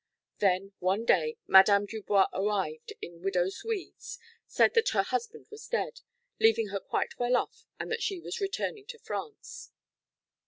Then, one day, Madame Dubois arrived in widow's weeds, said that her husband was dead, leaving her quite well off, and that she was returning to France."